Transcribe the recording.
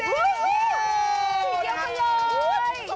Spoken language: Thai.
เยี่ยมไปเลย